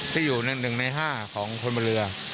ที่อยู่๑ใน๕ของคนบนเรือ